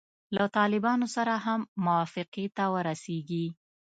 له طالبانو سره هم موافقې ته ورسیږي.